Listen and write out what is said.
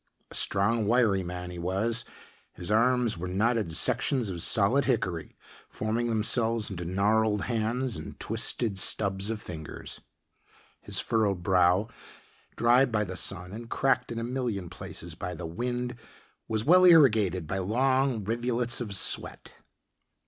A strong, wiry man he was his arms were knotted sections of solid hickory forming themselves into gnarled hands and twisted stubs of fingers. His furrowed brow, dried by the sun and cracked in a million places by the wind was well irrigated by long rivulets of sweat.